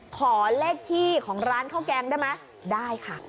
ขอเลขที่ของร้านข้าวแกงได้ไหมได้ค่ะ